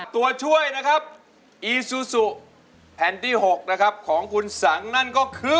ตัวช่วยนะครับอีซูซูแผ่นที่๖นะครับของคุณสังนั่นก็คือ